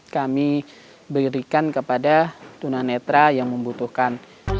kami berikan kepada tunanetra yang membutuhkan